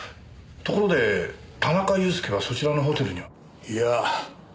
ところで田中裕介はそちらのホテルには？いや。